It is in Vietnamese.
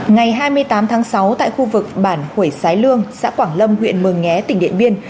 ngày hai mươi tám tháng sáu tại khu vực bản khuổi sái lương xã quảng lâm huyện mường nhé tỉnh điện biên